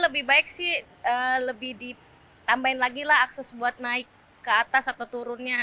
lebih baik sih lebih ditambahin lagi lah akses buat naik ke atas atau turunnya